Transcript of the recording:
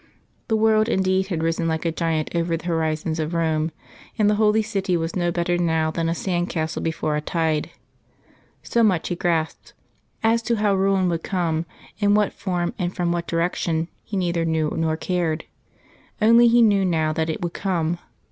The world indeed had risen like a giant over the horizons of Rome, and the holy city was no better now than a sand castle before a tide. So much he grasped. As to how ruin would come, in what form and from what direction, he neither knew nor cared. Only he knew now that it would come.